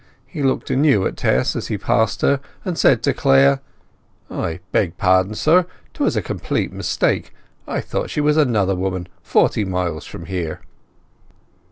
He looked anew at Tess as he passed her, and said to Clare— "I beg pardon, sir; 'twas a complete mistake. I thought she was another woman, forty miles from here."